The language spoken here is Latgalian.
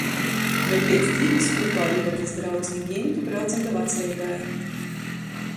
Vēļ piec dīnys kūpā ar Ivetys draudzini Gintu braucam da Vacreigai.